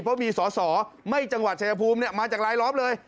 เพราะมีสอสอไม่จังหวัดชายภูมิมาจากรายล้อมเลย